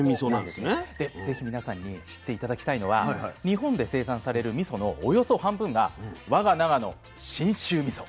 で是非皆さんに知って頂きたいのは日本で生産されるみそのおよそ半分が我が長野信州みそ。